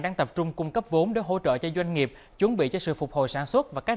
đang tập trung cung cấp vốn để hỗ trợ cho doanh nghiệp chuẩn bị cho sự phục hồi sản xuất và các